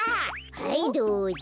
はいどうぞ。